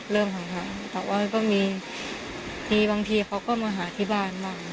เรื่องห่างแต่ว่ามีบางทีเขาก็มาหาที่บ้านมาก